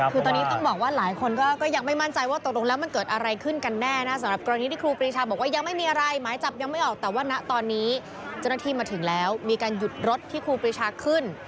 เพราะว่าตอนนี้เจ้าหน้าที่มาถึงแล้วมีการหยุดรถที่ครูปริชาขึ้น